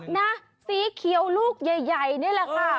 นะสีเขียวลูกใหญ่นี่แหละค่ะ